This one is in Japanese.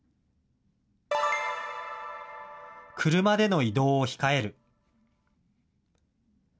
車での移動を控える。